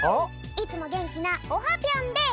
いつもげんきなオハぴょんです！